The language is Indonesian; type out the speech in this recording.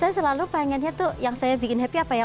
saya selalu pengennya tuh yang saya bikin happy apa ya